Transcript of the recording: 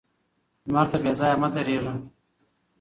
لمر ته بې ځايه مه درېږه